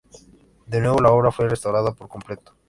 De nuevo, la obra fue restaurada por completo.